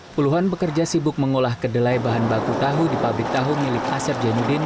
puluhan pekerja sibuk mengolah kedelai bahan baku tahu di pabrik tahu milik asep jainuddin